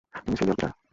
তুমি সিরিয়াল কিসার।